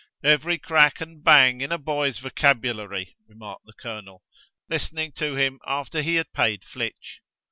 "Every crack and bang in a boys vocabulary," remarked the colonel, listening to him after he had paid Flitch.